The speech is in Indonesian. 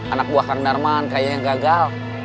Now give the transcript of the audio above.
anak buah kang darman kayaknya gagal